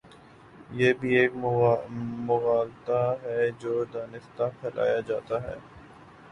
یہ بھی ایک مغالطہ ہے جو دانستہ پھیلایا جا تا ہے۔